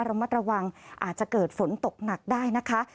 ระมัดระวังอาจจะเกิดฝนตกหนักได้นะคะ